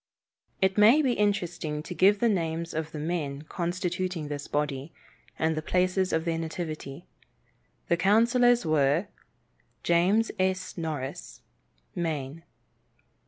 It may be interesting to give the names of the men constituting this body, and the places of their nativity. The councillors were: James S. Norris, Maine.